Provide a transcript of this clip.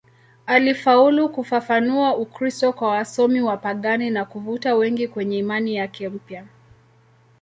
Alifaulu kufafanua Ukristo kwa wasomi wapagani na kuvuta wengi kwenye imani yake mpya.